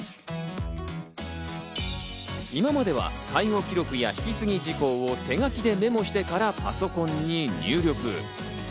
今までは、介護記録や引き継ぎ事項を手書きでメモしてからパソコンに入力。